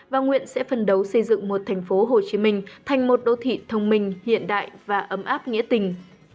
và nguyện sẽ phần đấu xây dựng một tp hcm thành một đô thị thông minh hiện đại và ấm áp nghĩa tình